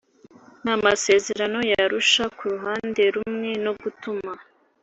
n amasezerano y Arusha ku ruhande rumwe no gutuma